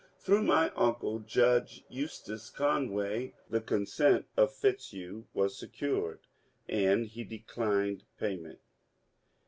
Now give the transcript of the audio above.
Through my uncle Judge Eustace Conway, the consent of Fitzhugh was secured, and he declined payment.